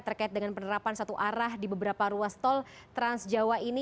terkait dengan penerapan satu arah di beberapa ruas tol trans jawa ini